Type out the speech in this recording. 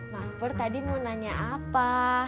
mas pur tadi mau nanya apa